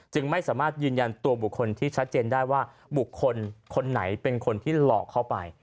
ไม่สามารถยืนยันตัวบุคคลที่ชัดเจนได้ว่าบุคคลคนไหนเป็นคนที่หลอกเข้าไป